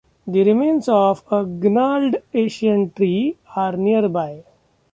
The remains of a gnarled ancient tree are nearby.